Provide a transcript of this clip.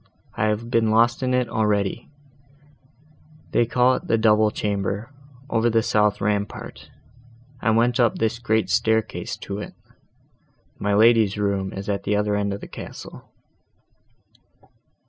I have been lost in it already: they call it the double chamber, over the south rampart, and I went up this great staircase to it. My lady's room is at the other end of the castle."